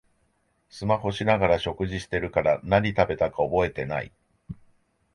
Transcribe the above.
スマホしながら食事してるから何食べたか覚えてない